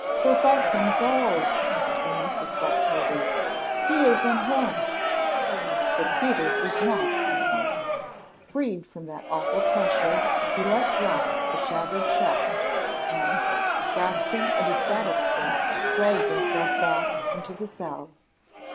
"The Falcon falls," screamed the spectators; "he is unhorsed." But Peter was not unhorsed. Freed from that awful pressure, he let drop the shattered shaft and, grasping at his saddle strap, dragged himself back into the selle.